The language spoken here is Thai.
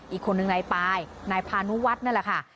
อีกคนหนึ่งนายปายนายพานุวัตรนั่นล่ะค่ะ